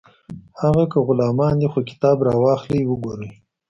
هغه که غلامان دي خو کتاب راواخلئ وګورئ